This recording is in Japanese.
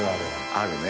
あるね。